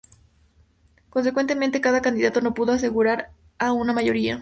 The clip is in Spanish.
Consecuentemente, cada candidato no pudo asegurar a una mayoría.